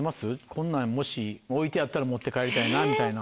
こんなんもし置いてあったら持って帰りたいなみたいな。